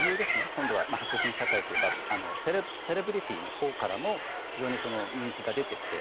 今度は白人社会セレブリティーのほうからも非常に人気が出てきて。